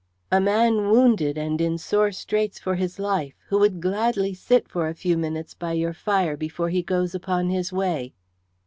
"A man wounded and in sore straits for his life, who would gladly sit for a few minutes by your fire before he goes upon his way."